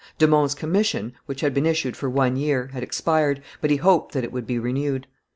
De Monts' commission, which had been issued for one year, had expired, but he hoped that it would be renewed.